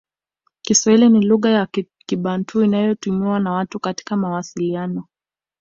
Kiswahili ni lugha ya Kibantu inayotumiwa na watu katika mawasiliano